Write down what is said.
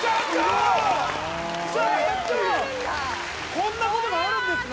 こんなことがあるんですね。